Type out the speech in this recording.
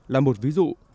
là một ví dụ